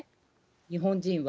日本人は。